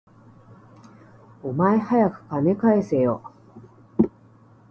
お前、はやく金返せよ